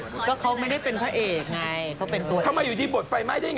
พี่โดมสนใจมาก